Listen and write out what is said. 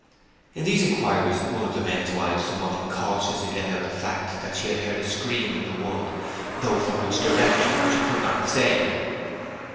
In these inquiries one of the men's wives somewhat incautiously let out the fact that she had heard a scream in the wood, though from which direction she could not say.